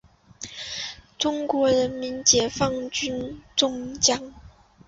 中国人民解放军中将。